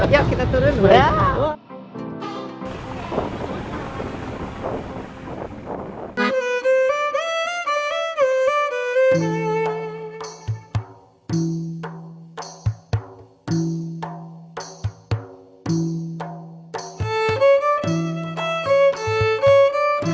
yuk kita turun